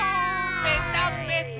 ぺたぺた。